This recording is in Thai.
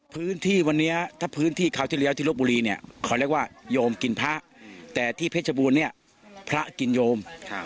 พื้นที่เองพื้นที่คราวที่เหลียวที่รบบุรีขอแนะนำยอมกินพระแต่ที่เพชรชบูรคจรแปบในพระกินโยม